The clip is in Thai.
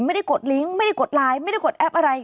กดลิงก์ไม่ได้กดไลน์ไม่ได้กดแอปอะไร